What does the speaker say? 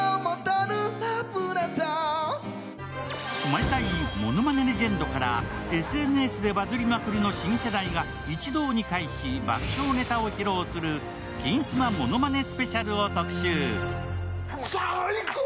毎回ものまねレジェンドからＳＮＳでバズリまくりの新世代が一堂に会し爆笑ネタを披露する「金スマものまねスペシャル」を特集。